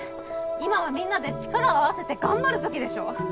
今はみんなで力を合わせて頑張る時でしょ？